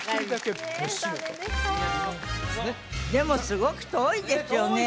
すごく遠いですよね